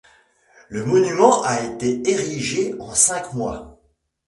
Le monument a été érigé en cinq mois.